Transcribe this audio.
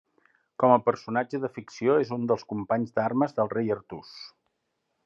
Com a personatge de ficció, és un dels companys d'armes del rei Artús.